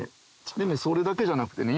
それだけじゃなくてね